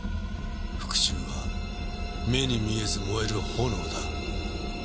復讐は目に見えず燃える炎だ。